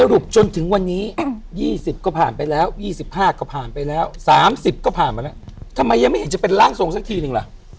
รุปจนถึงวันนี้๒๐ก็ผ่านไปแล้ว๒๕ก็ผ่านไปแล้ว๓๐ก็ผ่านมาแล้วทำไมยังไม่เห็นจะเป็นร่างทรงสักทีนึงล่ะ